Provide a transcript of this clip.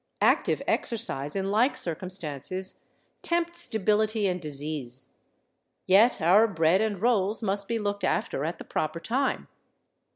Active exercise in like circumstances tempts debility and disease. Yet our bread and rolls must be looked after at the proper time.